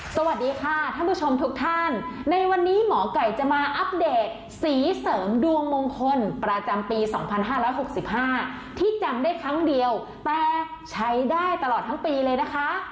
สวัสดีค่ะท่านผู้ชมทุกท่านในวันนี้หมอไก่จะมาอัปเดตสีเสริมดวงมงคลประจำปี๒๕๖๕ที่จำได้ครั้งเดียวแต่ใช้ได้ตลอดทั้งปีเลยนะคะ